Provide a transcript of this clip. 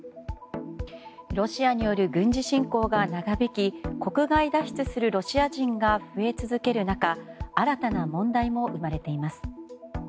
ロシアによる軍事侵攻が長引き、国外脱出するロシア人が増え続ける中新たな問題も生まれています。